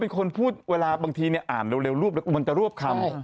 เป็นคนพูดเวลาบางทีอ่านเร็วรวบแล้วมันจะรวบคำ